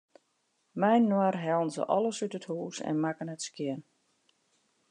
Mei-inoar hellen se alles út it hûs en makken it skjin.